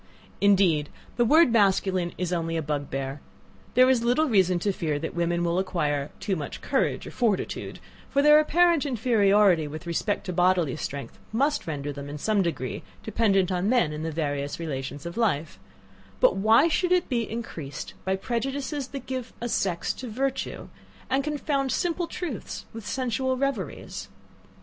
Indeed the word masculine is only a bugbear: there is little reason to fear that women will acquire too much courage or fortitude; for their apparent inferiority with respect to bodily strength, must render them, in some degree, dependent on men in the various relations of life; but why should it be increased by prejudices that give a sex to virtue, and confound simple truths with sensual reveries?